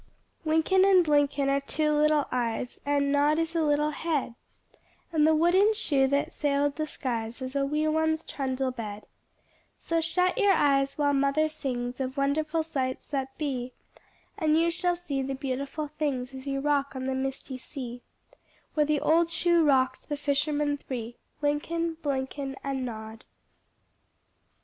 Wynken and Blynken are two little eyes, And Nod is a little head, And the wooden shoe that sailed the skies Is a wee one's trundle bed; So shut your eyes while Mother sings Of wonderful sights that be, And you shall see the beautiful things As you rock on the misty sea Where the old shoe rocked the fishermen three, Wynken, Blynken, And Nod.